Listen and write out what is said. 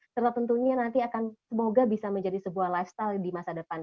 serta tentunya nanti akan semoga bisa menjadi sebuah lifestyle di masa depan